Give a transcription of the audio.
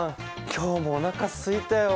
今日もおなかすいたよ。